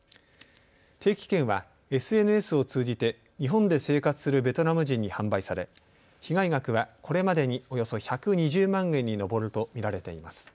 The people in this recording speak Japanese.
定期券はＳＮＳを通じて日本で生活するベトナム人に販売され被害額はこれまでにおよそ１２０万円に上ると見られています。